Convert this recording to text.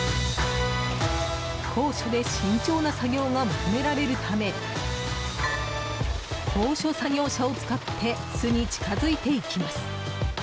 高所で慎重な作業が求められるため高所作業車を使って巣に近づいていきます。